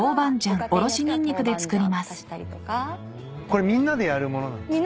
これみんなでやるものなんですか？